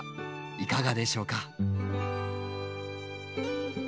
いかがでしょうか？